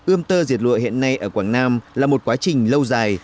ươm tơ diệt lụa hiện nay ở quảng nam là một quá trình lâu dài